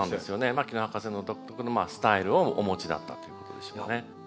牧野博士の独特のスタイルをお持ちだったということですよね。